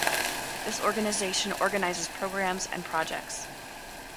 This organization organizes programs and projects.